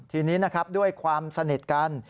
ทีนี้นะครับด้วยความสนิทกัน